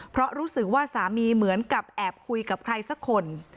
เพราะรู้สึกว่าสามีเหมือนกับแอบคุยกับใครสักคน